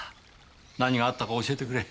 何があったか教えてくれ。